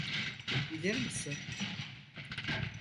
Bilir misin?